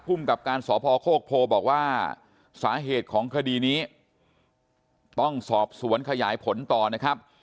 กับการสพโคกโพบอกว่าสาเหตุของคดีนี้ต้องสอบสวนขยายผลต่อนะครับ